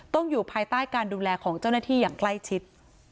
อยู่ภายใต้การดูแลของเจ้าหน้าที่อย่างใกล้ชิด